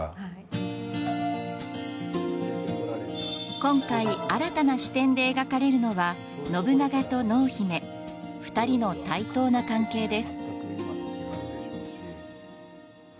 今回、新たな視点で描かれるのは信長と濃姫２人の対等な関係です。